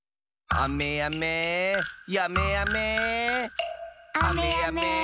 あめやめやめあめ。